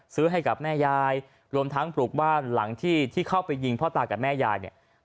ซื้อให้กับแม่ยายรวมทั้งปลูกบ้านหลังที่ที่เข้าไปยิงพ่อตากับแม่ยายเนี่ย